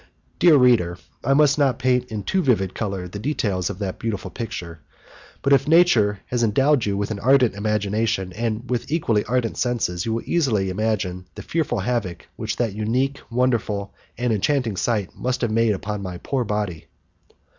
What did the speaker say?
Dear reader, I must not paint in too vivid colours the details of that beautiful picture, but if nature has endowed you with an ardent imagination and with equally ardent senses, you will easily imagine the fearful havoc which that unique, wonderful, and enchanting sight must have made upon my poor body.